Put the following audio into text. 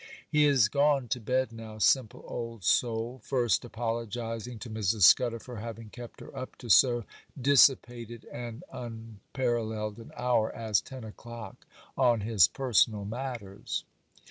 He has gone to bed now, simple old soul, first apologizing to Mrs. Scudder for having kept her up to so dissipated and unparalleled an hour as ten o'clock on his personal matters.